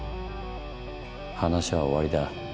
話は終わりだ。